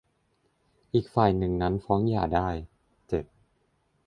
อีกฝ่ายหนึ่งนั้นฟ้องหย่าได้ เจ็ด